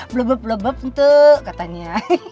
blebep blebep ntuk katanya